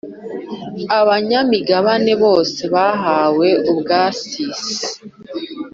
abanyamigabane bose bahawe ubwasisi